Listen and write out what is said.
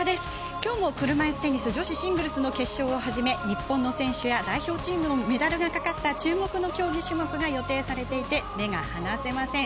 きょうも車いすテニス女子シングルスの決勝をはじめ日本の選手や代表チームのメダルがかかった注目の競技種目が予定されていて目が離せません。